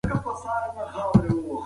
هغه خپله کورنۍ وليده.